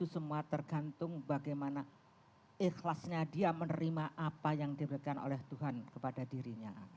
semua tergantung bagaimana ikhlasnya dia menerima apa yang diberikan oleh tuhan kepada dirinya